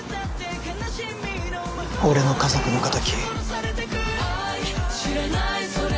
俺の家族の敵